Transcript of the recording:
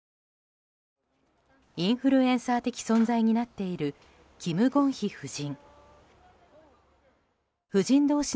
インフルエンサー的存在になっている、キム・ゴンヒ夫人。